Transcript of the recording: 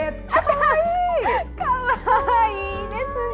かわいいですね！